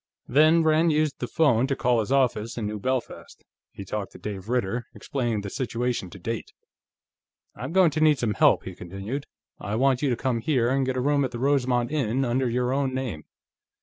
Then Rand used the phone to call his office in New Belfast. He talked to Dave Ritter, explaining the situation to date. "I'm going to need some help," he continued. "I want you to come here and get a room at the Rosemont Inn, under your own name.